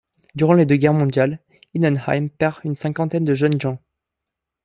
Durant les deux guerres mondiales, Innenheim perd une cinquantaine de jeunes gens.